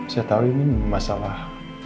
saya tahu ini masalah